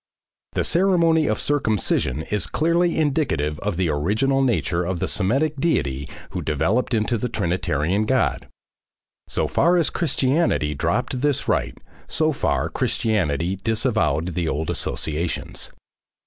The ceremony of circumcision is clearly indicative of the original nature of the Semitic deity who developed into the Trinitarian God. So far as Christianity dropped this rite, so far Christianity disavowed the old associations.